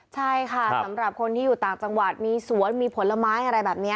ใช่ค่ะสำหรับคนที่อยู่ต่างจังหวัดมีสวนมีผลไม้อะไรแบบนี้